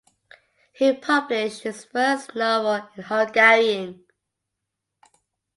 He published his first novel in Hungarian.